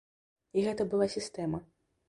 І гэта была сістэма.